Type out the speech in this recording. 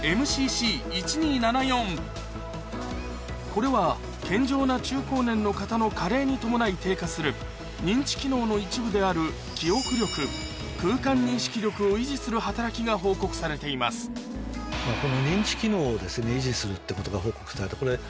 これは健常な中高年の方の加齢に伴い低下する認知機能の一部であるを維持する働きが報告されていますの報告だと思います。